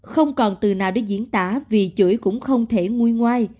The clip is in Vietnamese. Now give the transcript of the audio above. không còn từ nào để diễn tả vì chuỗi cũng không thể nguôi ngoai